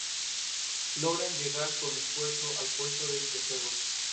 Logran llegar, con esfuerzo, al puesto de videojuegos.